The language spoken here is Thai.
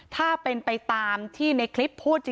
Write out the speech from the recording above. ถ้าเป็นไปตามที่ในคลิปพูด